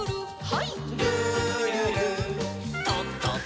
はい。